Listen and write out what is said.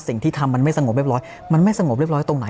สิ่งที่ทำมันไม่สงบเรียบร้อยมันไม่สงบเรียบร้อยตรงไหน